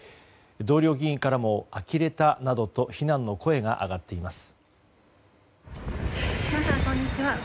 同僚議員からもあきれたなどと非難の声が上がっています。